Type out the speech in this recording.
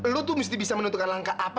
lo tuh mesti bisa menentukan langkah apa